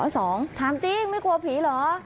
สองถามจริงไม่กลัวผีเหรอ